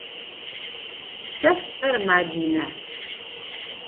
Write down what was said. Se sts'er Madine.